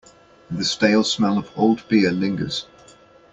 The stale smell of old beer lingers.